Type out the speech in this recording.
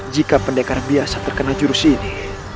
jika pendekar biasa terkena jurus ini